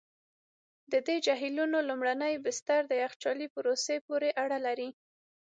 د دې جهیلونو لومړني بستر د یخچالي پروسې پورې اړه لري.